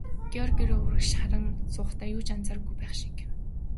Грегори урагш харан суухдаа юу ч анзаарахгүй байх шиг.